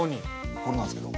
これなんですけど。